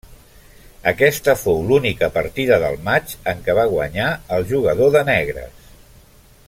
Aquesta fou l'única partida del matx en què va guanyar el jugador de negres.